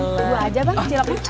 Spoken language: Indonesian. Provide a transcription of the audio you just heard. bu aja bang cilok lucu